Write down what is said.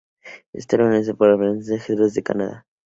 Está organizado por la Federación de Ajedrez de Canadá.